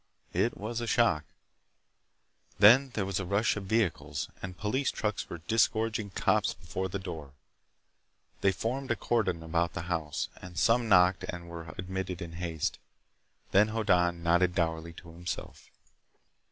It was a shock. Then there was a rush of vehicles, and police trucks were disgorging cops before the door. They formed a cordon about the house, and some knocked and were admitted in haste. Then Hoddan nodded dourly to himself.